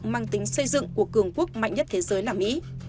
mang tính xây dựng của cường quốc mạnh nhất thế giới là mỹ